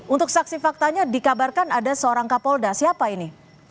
untuk saksi faktanya dikabarkan ada seorang kapolda siapa ini